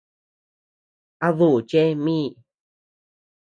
A duuʼu chee míi.